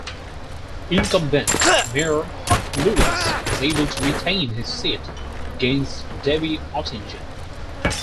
Incumbent Mayor Huck Lewis was able to retain his seat against Debbie Ottinger.